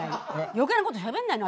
余計なことしゃべんないの。